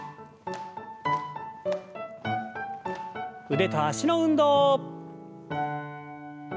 腕と脚の運動。